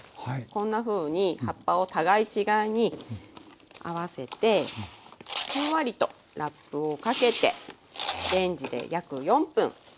こんなふうに葉っぱを互い違いに合わせてふんわりとラップをかけてレンジで約４分加熱して下さい。